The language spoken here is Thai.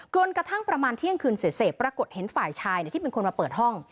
กระทั่งประมาณเที่ยงคืนเสร็จปรากฏเห็นฝ่ายชายที่เป็นคนมาเปิดห้อง